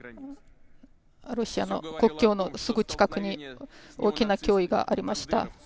ロシアの国境のすぐ近くに大きな脅威がありました。